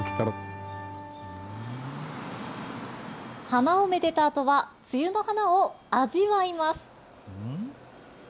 花をめでたあとは梅雨の花を味わいます。